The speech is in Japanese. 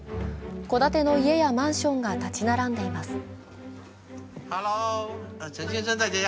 戸建ての家やマンションが立ち並んでいます。